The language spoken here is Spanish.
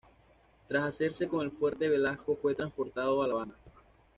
Tras hacerse con el fuerte Velasco fue transportado a La Habana.